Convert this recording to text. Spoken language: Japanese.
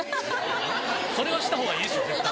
それはした方がいいですよ絶対。